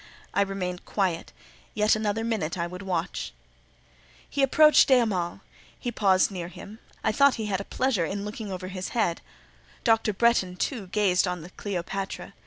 I remained quiet; yet another minute I would watch. He approached de Hamal; he paused near him; I thought he had a pleasure in looking over his head; Dr. Bretton, too, gazed on the Cleopatra.